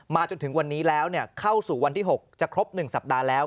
จนถึงวันนี้แล้วเข้าสู่วันที่๖จะครบ๑สัปดาห์แล้ว